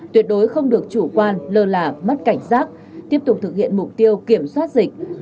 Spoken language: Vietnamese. tuyệt đối không được chủ quan lơ là mất cảnh giác tiếp tục thực hiện mục tiêu kiểm soát dịch